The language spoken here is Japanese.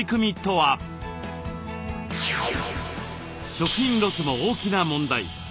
食品ロスも大きな問題。